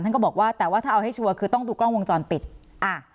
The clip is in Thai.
ก็บอกว่าแต่ว่าถ้าเอาให้ชัวร์คือต้องดูกล้องวงจรปิดอ่า